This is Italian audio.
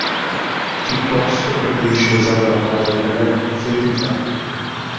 Piuttosto preferisce usare la parola italiana “ferita”.